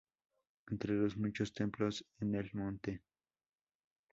Entre los muchos templos en el monte.